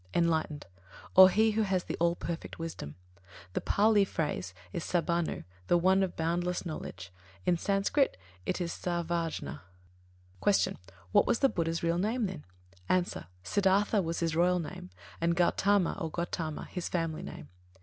Enlightened; or, he who has the all perfect wisdom. The Pālī phrase is Sabbannu, the One of Boundless Knowledge. In Samskrt it is Sarvajña. 14. Q. What was the Buddha's real name then? A. SIDDHĀRTHA was his royal name, and GAUTAMA, or GOTAMA, his family name.